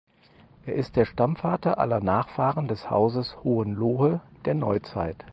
Er ist der Stammvater aller Nachfahren des Hauses Hohenlohe der Neuzeit.